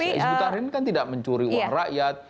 ismah bukarin kan tidak mencuri uang rakyat